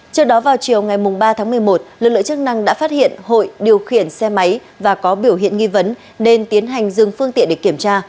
trước đó vào chiều ngày ba tháng một mươi một lực lượng chức năng đã phát hiện hội điều khiển xe máy và có biểu hiện nghi vấn nên tiến hành dừng phương tiện để kiểm tra